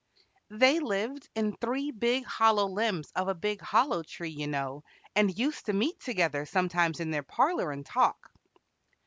"They lived in three big hollow limbs of a big hollow tree, you know, and used to meet together sometimes in their parlor and talk."